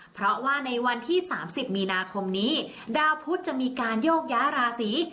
เพราะว่าในวันที่๓๐มีนาคมนี้ดาวพุทธจะมีการโยกย้ายราศี